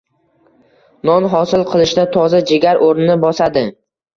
Non hosil qilishda toza jigar o'rnini bosadi.